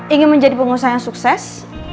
ingin menjadi pengusaha yang sukses